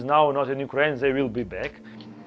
semua orang yang sekarang tidak di ukraina akan kembali